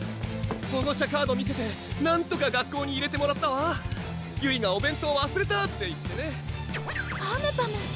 保護者カード見せてなんとか学校に入れてもらったわゆいがお弁当わすれたって言ってねパムパム！